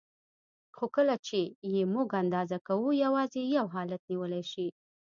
خو کله یې چې موږ اندازه کوو یوازې یو حالت نیولی شي.